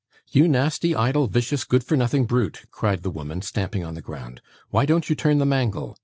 'You nasty, idle, vicious, good for nothing brute,' cried the woman, stamping on the ground, 'why don't you turn the mangle?